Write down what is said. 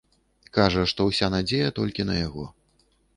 Кажа, што ўся надзея толькі на яго.